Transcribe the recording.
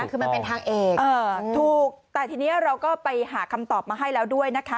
คือมันเป็นทางเอกถูกแต่ทีนี้เราก็ไปหาคำตอบมาให้แล้วด้วยนะคะ